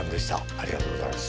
ありがとうございます。